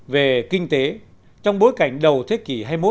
về kinh tế trong bối cảnh đầu thế kỷ hai mươi một